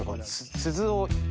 鈴を。